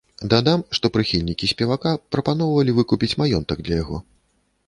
Дадам, што прыхільнікі спевака прапаноўвалі выкупіць маёнтак для яго.